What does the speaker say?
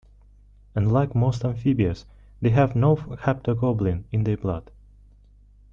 Unlike most amphibians, they have no haptoglobin in their blood.